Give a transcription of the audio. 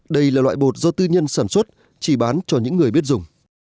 đây là loại bột do tư nhân sản xuất chỉ bán cho những người biết dùng